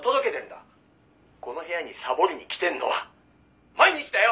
「この部屋にサボりに来てんのは毎日だよ！」